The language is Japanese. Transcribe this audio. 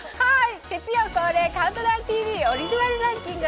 月曜恒例、「ＣＤＴＶ」オリジナルランキング